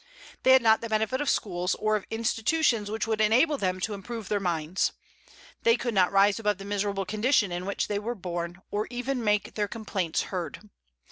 They had not the benefit of schools, or of institutions which would enable them to improve their minds. They could not rise above the miserable condition in which they were born, or even make their complaints heard.